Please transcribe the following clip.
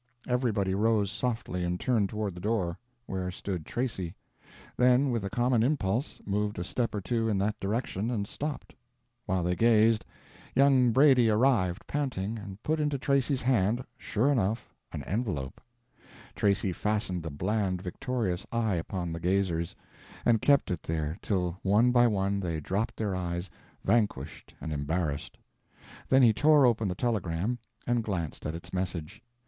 Everybody rose softly and turned toward the door, where stood Tracy; then with a common impulse, moved a step or two in that direction, and stopped. While they gazed, young Brady arrived, panting, and put into Tracy's hand,—sure enough—an envelope. Tracy fastened a bland victorious eye upon the gazers, and kept it there till one by one they dropped their eyes, vanquished and embarrassed. Then he tore open the telegram and glanced at its message.